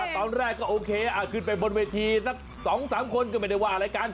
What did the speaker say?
ตอนแรกก็โอเคขึ้นไปบนเวทีสัก๒๓คนก็ไม่ได้ว่าอะไรกัน